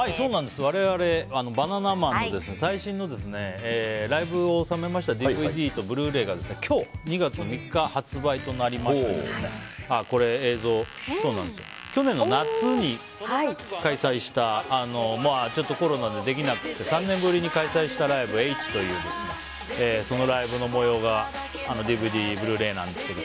我々、バナナマンの最新のライブお収めましたＤＶＤとブルーレイが今日、２月３日発売となりまして去年の夏に開催したコロナでできなくて３年ぶりに開催したライブ「Ｈ」というそのライブの模様がＤＶＤとブルーレイなんですけど。